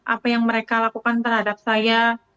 apa yang mereka lakukan terhadap saya